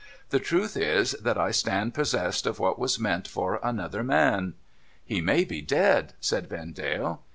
The truth is that I stand possessed of what was meant for another man.' ' He may be dead,' said Yendale.